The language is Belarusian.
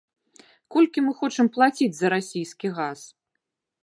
Колькі мы хочам плаціць за расійскі газ?